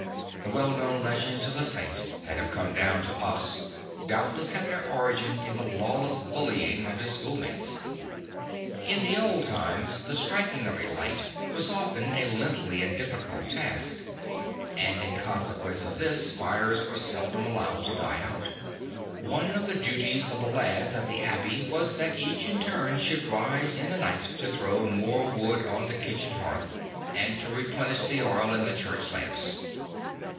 The well known legends of the Saint that have come down to us doubtless had their origin in the lawless bullying of his schoolmates. In old times the striking of a light was often a lengthy and a difficult task, and in consequence of this fires were sel dom allowed to die out. One of the duties of the lads at the abbey was that each in turn should rise in the night to throw more wood on the kitchen hearth, and to replenish the oil in the church lamps.